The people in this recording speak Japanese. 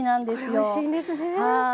これおいしいんですね。